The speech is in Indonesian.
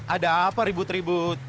ada apa ribut ribut